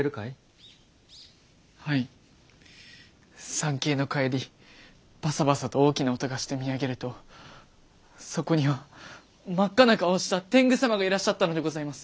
参詣の帰りバサバサと大きな音がして見上げるとそこには真っ赤な顔をした天狗様がいらっしゃったのでございます。